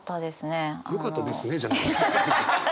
「よかったですね」じゃないのよ。